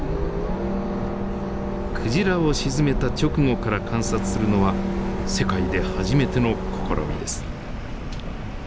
クジラを沈めた直後から観察するのは世界で初めての試みです。